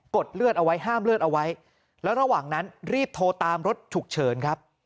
ดเลือดเอาไว้ห้ามเลือดเอาไว้แล้วระหว่างนั้นรีบโทรตามรถฉุกเฉินครับ